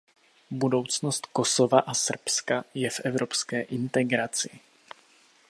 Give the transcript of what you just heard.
Budoucnost Kosova a Srbska je v evropské integraci.